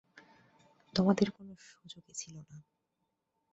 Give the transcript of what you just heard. তোমাদের কোন সুযোগই ছিল না!